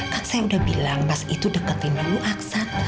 kan saya udah bilang mas itu deketin dulu aksan